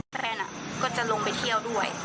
แฟนก็จะลงไปเที่ยวด้วย